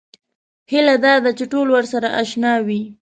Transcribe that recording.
هیله دا ده چې ټول ورسره اشنا وي.